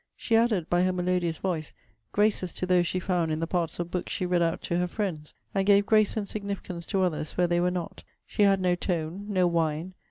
She added, by her melodious voice, graces to those she found in the parts of books she read out to her friends; and gave grace and significance to others where they were not. She had no tone, no whine.